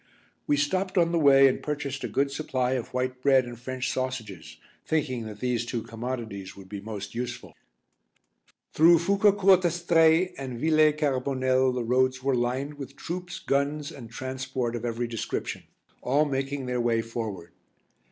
We stopped on the way and purchased a good supply of white bread and French sausages, thinking that these two commodities would be most useful. Through Foucacourt Estrées and Villers Carbonel the roads were lined with troops, guns, and transport of every description, all making their way forward.